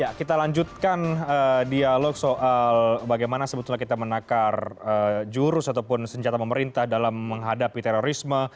ya kita lanjutkan dialog soal bagaimana sebetulnya kita menakar jurus ataupun senjata pemerintah dalam menghadapi terorisme